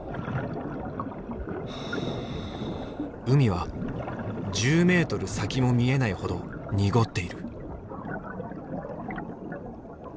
海は１０メートル先も見えないほど濁っている。